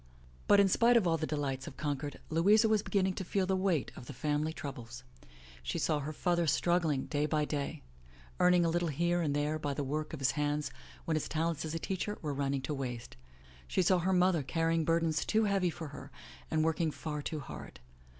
But in spite of all the delights of Concord, Louisa was beginning to feel the weight of the family troubles. She saw her father strug gling day by day, earning a little here and there by the work of his hands when his talents as a teacher were running to waste. She saw her mother carrying burdens too heavy for her and working far too hard.